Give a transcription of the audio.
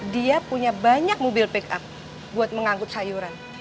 dia punya banyak mobil pick up buat mengangkut sayuran